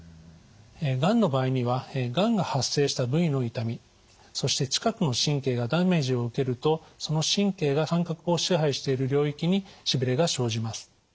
がんの場合にはがんが発生した部位の痛みそして近くの神経がダメージを受けるとその神経が感覚を支配している領域にしびれが生じます。